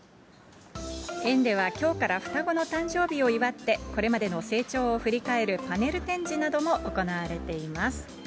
園ではきょうから双子の誕生日を祝って、これまでの成長を振り返るパネル展示なども行われています。